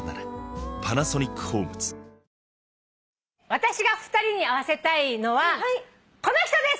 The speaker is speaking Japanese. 私が２人に会わせたいのはこの人です！